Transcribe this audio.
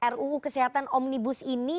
ruu kesehatan omnibus ini